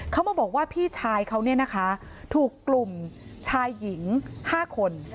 เขามาบอกว่าพี่ชายเขาเนี่ยนะคะถูกกลุ่มชายหญิง๕คน